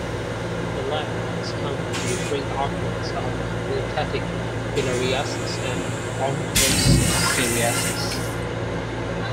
The latter has come to decrease the occurrence of lymphatic filariasis and onchoceriasis.